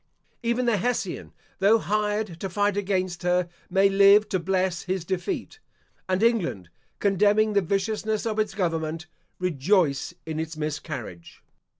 Even the Hessian, though hired to fight against her, may live to bless his defeat; and England, condemning the viciousness of its government, rejoice in its miscarriage.